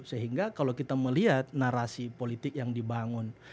sehingga kalau kita melihat narasi politik yang dibangun